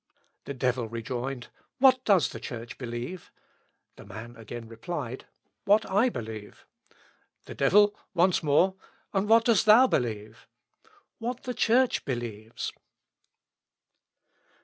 The devil rejoined, 'What does the Church believe?' The man again replied, 'What I believe.' The devil, once more, 'And what dost thou believe?' 'What the Church believes.'"